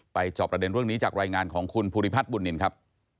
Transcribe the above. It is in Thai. จอบประเด็นเรื่องนี้จากรายงานของคุณภูริพัฒน์บุญนินครับ